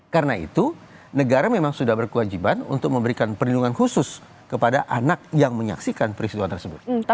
karena itu negara memang sudah berkewajiban untuk memberikan perlindungan khusus kepada anak yang menyaksikan peristiwa tersebut